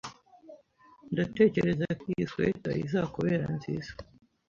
Ndatekereza ko iyi swater izakubera nziza